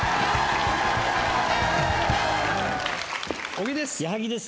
小木です。